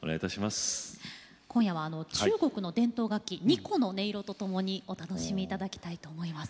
今夜は中国の伝統楽器二胡の音色とともにお楽しみいただきたいと思います。